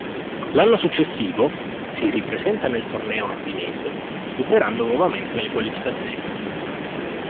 L'anno successivo, si ripresenta nel torneo londinese, superando nuovamente le qualificazioni.